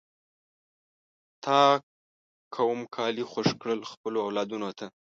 تا کوم کالی خوښ کړل خپلو اولادونو ته؟